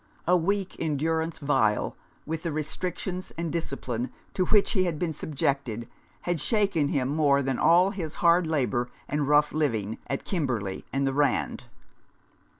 A week in durance vile, with the restrictions and discipline to which he had been subjected, had shaken him more than all his hard labour and rough living at Kimberley and the Rand.